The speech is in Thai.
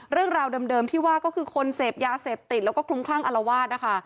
เรื่องราวเดิมที่ว่าก็คือคนเสพยาเสพติดแล้วก็คลุมคลั่งอารวาสนะคะ